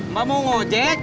mbak mau ngajek